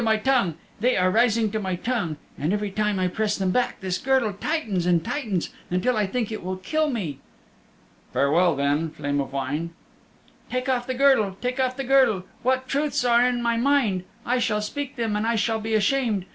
They are rising to my tongue, and every time I press them back this girdle tightens and tightens until I think it will kill me." "Farewell, then, Flame of Wine." "Take off the girdle, take off the girdle! What truths are in my mind! I shall speak them and I shall be ashamed.